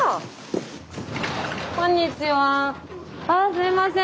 あすいません。